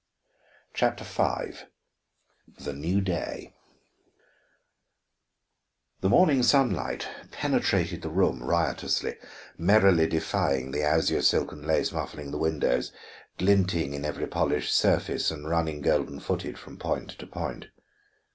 CHAPTER V THE NEW DAY The morning sunlight penetrated the room riotously, merrily defying the azure silk and lace muffling the windows, glinting in every polished surface and running golden footed from point to point.